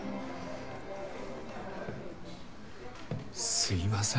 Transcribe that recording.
すいません。